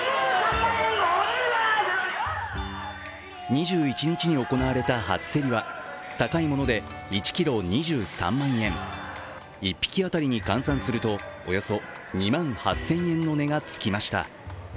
２１日に行われた初競りは高いもので１ｋｇ２３万円１匹当たりに換算するとおよそ２万８０００円の値がつきました。